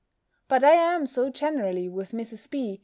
But I am so generally with Mrs. B.